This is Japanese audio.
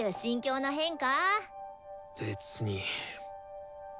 別に。